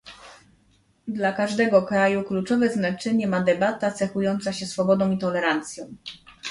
Dla każdego kraju kluczowe znaczenie ma debata cechująca się swobodą i tolerancją